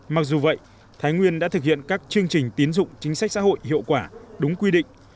mặc dù vậy thái nguyên đã thực hiện các chương trình tiến dụng chính sách xã hội hiệu quả đúng quy định